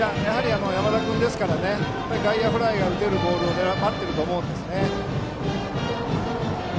山田君ですから外野フライが打てるボールを待っていると思います。